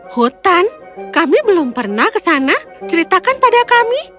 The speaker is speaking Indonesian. hutan kami belum pernah ke sana ceritakan pada kami